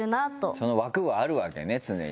その枠はあるわけね常に。